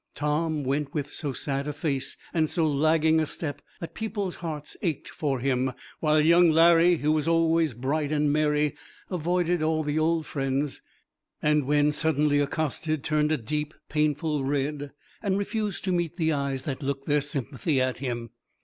Tom went with so sad a face and so lagging a step that people's hearts ached for him; while young Larry, who was always bright and merry, avoided all the old friends, and when suddenly accosted turned a deep painful red and refused to meet the eyes that looked their sympathy at him.